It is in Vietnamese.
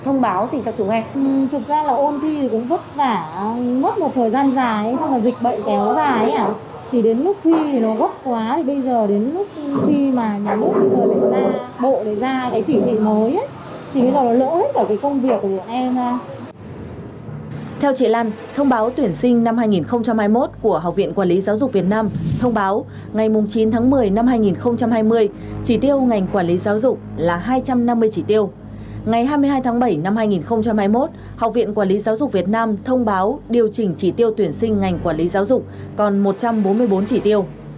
ngày hai mươi hai tháng bảy năm hai nghìn hai mươi một học viện quản lý giáo dục việt nam thông báo điều chỉnh chỉ tiêu tuyển sinh ngành quản lý giáo dục còn một trăm bốn mươi bốn chỉ tiêu